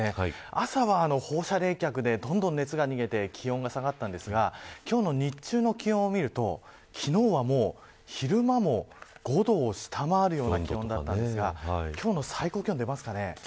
朝は放射冷却で、どんどん熱が逃げて気温が下がったんですが今日の日中の気温を見ると昨日はもう昼間も５度を下回るような気温だったんですが今日の最高気温、出ますかね。